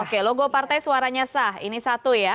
oke logo partai suaranya sah ini satu ya